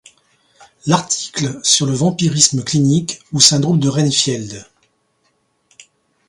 L'article sur le vampirisme clinique ou syndrome de Renfield.